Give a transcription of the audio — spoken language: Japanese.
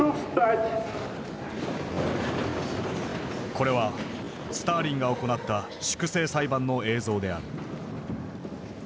これはスターリンが行った粛清裁判の映像である。